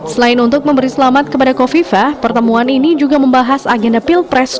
selain untuk memberi selamat kepada kofifa pertemuan ini juga membahas agenda pilpres dua ribu sembilan